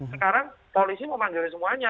sekarang polisi mau manggilin semuanya